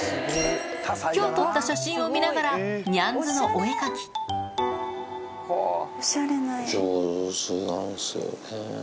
今日撮った写真を見ながらニャンズのお絵描き上手なんですよね。